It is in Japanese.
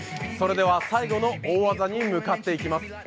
それでは最後の大技に向かっていきます。